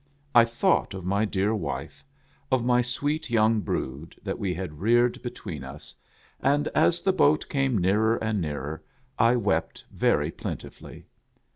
I thought of my dear wife ; of my sweet young brood, that we had reared between us ; and as the boat came nearer and nearer, I wept very plentifully.